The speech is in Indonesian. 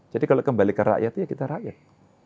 jadi kalau kembali ke rakyat ya kita rakyat